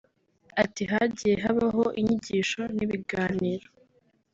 Ati “Hagiye habaho inyigisho n’ibiganiro